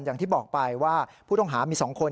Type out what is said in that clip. อย่างที่บอกไปว่าผู้ต้องหามี๒คน